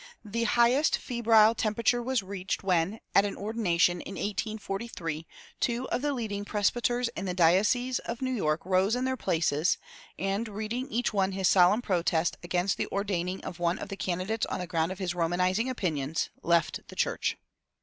The highest febrile temperature was reached when, at an ordination in 1843, two of the leading presbyters in the diocese of New York rose in their places, and, reading each one his solemn protest against the ordaining of one of the candidates on the ground of his Romanizing opinions, left the church.